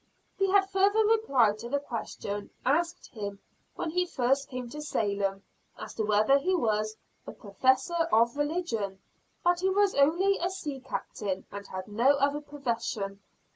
He had further replied to the question, asked him when he first came to Salem, as to whether he was "a professor of religion," that he was "only a sea captain, and had no other profession."